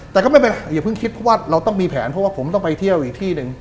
แต่ก็ไม่เป็นอย่าเพิ่งคิดเพราะว่าเราต้องมีแผนเพราะว่าผมต้องไปเที่ยวอีกที่หนึ่ง